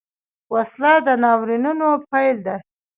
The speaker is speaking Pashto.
وسله د ناورینونو پیل ده